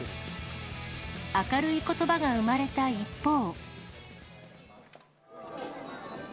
明るいことばが生まれた一方。